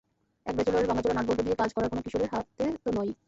এক ব্যাচেলরের ভাঙাচোরা নাটবল্টু দিয়ে কাজ করার কোনো কিশোরের হাতে তো নয়ই।